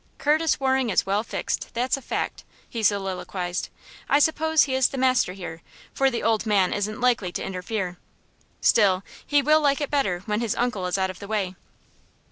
"Curtis Waring is well fixed that's a fact!" he soliloquized. "I suppose he is the master here, for the old man isn't likely to interfere. Still he will like it better when his uncle is out of the way."